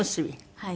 はい。